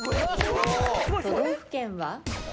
都道府県は？